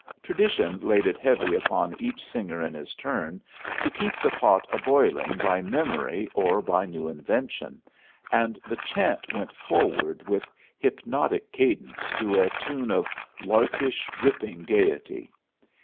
Tradition laid it heavy upon each singer in his turn to keep the pot a boiling by memory or by new invention, and the chant went forward with hypnotic cadence to a tune of larkish, ripping gayety.